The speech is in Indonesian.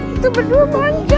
itu berdua manja